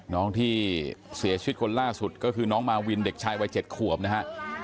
น้องที่เสียชีวิตคนล่าสุดก็คือน้องมาวินเด็กชายวัย๗ขวบนะฮะ